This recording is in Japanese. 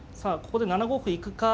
ここで７五歩行くか。